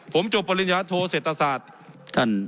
ผมจบปริญญาโทเศรษฐศาสตร์